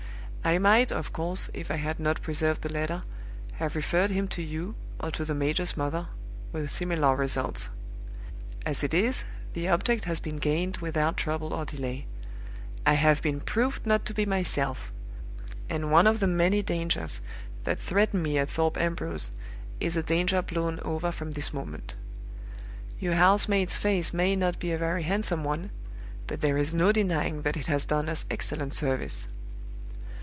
"I might, of course, if I had not preserved the letter, have referred him to you, or to the major's mother, with similar results. As it is, the object has been gained without trouble or delay. I have been proved not to be myself; and one of the many dangers that threatened me at Thorpe Ambrose is a danger blown over from this moment. Your house maid's face may not be a very handsome one; but there is no denying that it has done us excellent service.